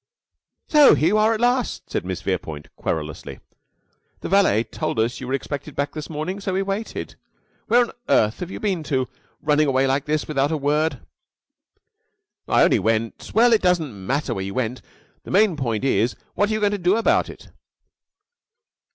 "So here you are at last!" said Miss Verepoint, querulously. "The valet told us you were expected back this morning, so we waited. Where on earth have you been to, running away like this, without a word?" "I only went " "Well, it doesn't matter where you went. The main point is, what are you going to do about it?"